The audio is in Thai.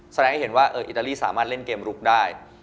แสดงให้เห็นว่าอิตาลีสามารถเล่นเกมลุกได้